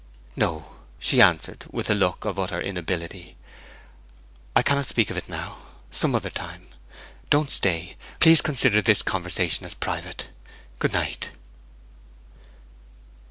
'No,' she answered, with a look of utter inability. 'I cannot speak of it now! Some other time. Don't stay. Please consider this conversation as private. Good night.'